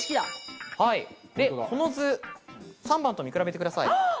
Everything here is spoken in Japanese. この図、３番と見比べてください。